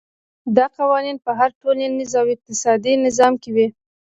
دا قوانین په هر ټولنیز او اقتصادي نظام کې وي.